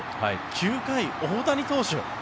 ９回、大谷投手